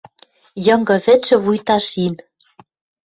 Йынгы вӹдшы вуйта шин.